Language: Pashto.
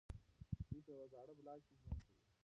دی په یوه زاړه بلاک کې ژوند کوي.